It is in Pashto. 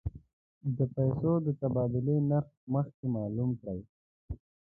د پیسو د تبادلې نرخ مخکې معلوم کړه.